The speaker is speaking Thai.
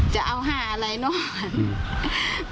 จะเอา๕อะไรเนอะ